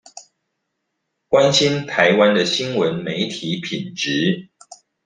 關心台灣的新聞媒體品質